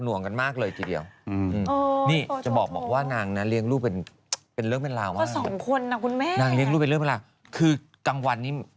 วุดเผ็ดมาแล้วก็เรียกว่าหนักหน่วงกันมากเลยทีเดียว